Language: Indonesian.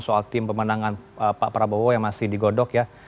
soal tim pemenangan pak prabowo yang masih digodok ya